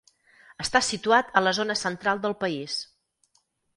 Està situat a la zona central del país.